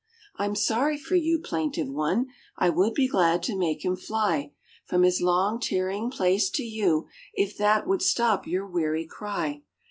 I'm sorry for you, plaintive one; I would be glad to make him fly From his long tarrying place to you, If that would stop your weary cry.